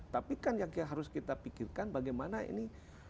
tapi kan yang harus kita pikirkan bagaimana ini